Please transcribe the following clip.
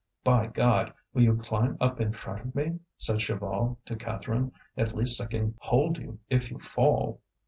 "By God! will you climb up in front of me?" said Chaval to Catherine. "At least I can hold you if you fall."